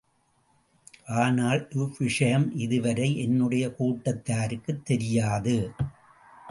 ஆனால், இவ்விஷயம் இதுவரை என்னுடைய கூட்டத்தாருக்குத் தெரியாது.